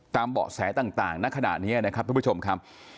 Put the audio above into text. เบาะแสต่างณขณะนี้นะครับทุกผู้ชมครับ